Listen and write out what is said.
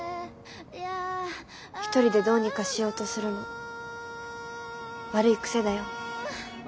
一人でどうにかしようとするの悪い癖だよ。